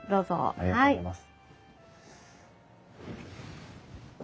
ありがとうございます。